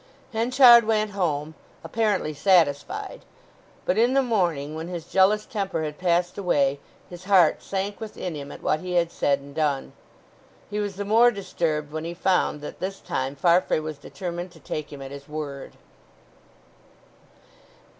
Henchard went home, apparently satisfied. But in the morning, when his jealous temper had passed away, his heart sank within him at what he had said and done. He was the more disturbed when he found that this time Farfrae was determined to take him at his word.